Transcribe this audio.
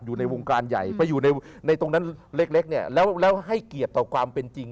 อยู่ในวงการใหญ่ไปอยู่ในตรงนั้นเล็กเนี่ยแล้วให้เกียรติต่อความเป็นจริง